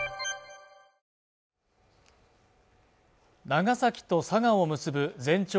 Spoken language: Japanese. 長崎と佐賀を結ぶ全長